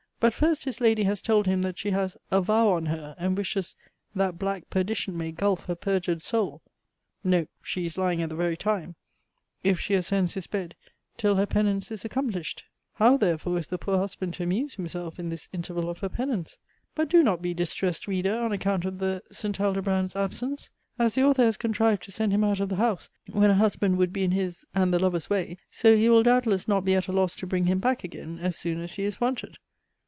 But first his lady has told him that she has "a vow on her," and wishes "that black perdition may gulf her perjured soul," (Note: she is lying at the very time) if she ascends his bed, till her penance is accomplished. How, therefore, is the poor husband to amuse himself in this interval of her penance? But do not be distressed, reader, on account of the St. Aldobrand's absence! As the author has contrived to send him out of the house, when a husband would be in his, and the lover's way, so he will doubtless not be at a loss to bring him back again as soon as he is wanted.